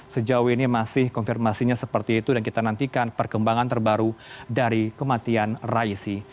sejauh ini masih konfirmasinya seperti itu dan kita nantikan perkembangan terbaru dari kematian raisi